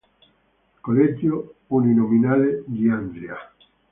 Collegio uninominale di Andria